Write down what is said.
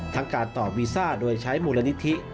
ทั้งการต่อวีซ่าโดยใช้มูลนิธิ